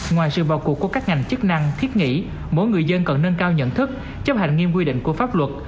ngoài sự vào cuộc của các ngành chức năng thiết nghĩ mỗi người dân cần nâng cao nhận thức chấp hành nghiêm quy định của pháp luật